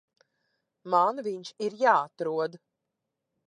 Man viņš ir jāatrod.